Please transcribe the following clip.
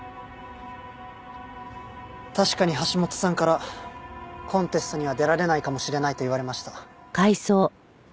確かに橋本さんからコンテストには出られないかもしれないと言われました。